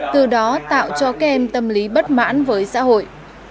từ đó tạo cho các em tâm lý bất mãn với xã hội